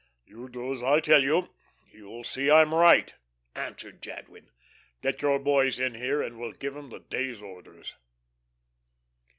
"You do as I tell you you'll see I'm right," answered Jadwin. "Get your boys in here, and we'll give 'em the day's orders."